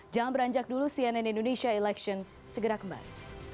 jangan beranjak dulu cnn indonesia election segera kembali